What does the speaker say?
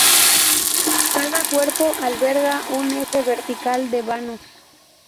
Cada cuerpo alberga un eje vertical de vanos.